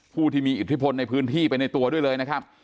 ผู้ที่มีอิทธิพลในพื้นที่ไปในตัวด้วยเลยนะครับ